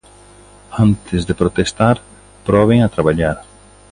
Antes de protestar, proben a traballar.